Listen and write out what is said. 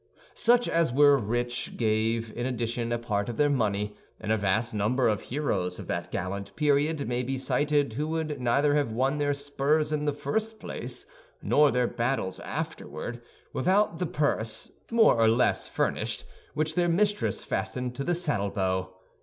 Such as were rich gave in addition a part of their money; and a vast number of heroes of that gallant period may be cited who would neither have won their spurs in the first place, nor their battles afterward, without the purse, more or less furnished, which their mistress fastened to the saddle bow.